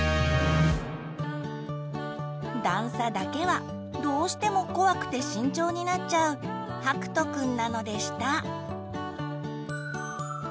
段差だけはどうしても怖くて慎重になっちゃうはくとくんなのでした！